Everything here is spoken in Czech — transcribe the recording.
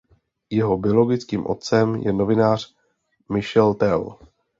Jeho biologickým otcem je novinář Michael Tell.